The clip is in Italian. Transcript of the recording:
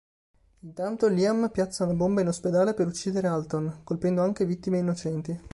Intanto Liam piazza una bomba in ospedale per uccidere Alton, colpendo anche vittime innocenti.